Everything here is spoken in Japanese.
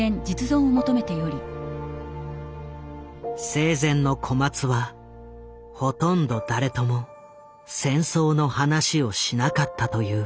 生前の小松はほとんど誰とも戦争の話をしなかったという。